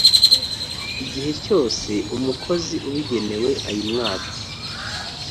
igihe cyose umukozi ubigenewe ayimwatse.